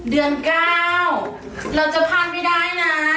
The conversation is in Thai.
เดือนเก้าเราจะพันไปได้นะ